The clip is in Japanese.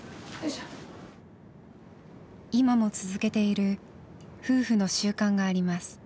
今も続けている夫婦の習慣があります。